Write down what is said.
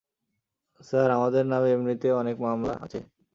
Sir, আমাদের নামে এমনিতেই অনেক মামলা আছে।